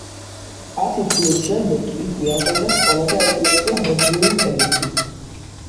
ათი წლის შემდეგ იქვე აშენდა სკოლა და ეკლესია ბერძნული თემისთვის.